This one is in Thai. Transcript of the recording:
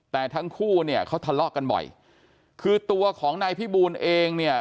แต่ทั้งคู่เนี่ยเขาทะเลาะกันบ่อยคือตัวของนายพี่บูลเองเนี่ย